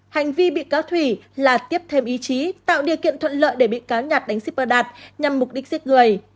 hành vi bị cáo thủy là tiếp thêm ý chí tạo điều kiện thuận lợi để bị cáo nhạt đánh shipper đạt nhằm mục đích giết người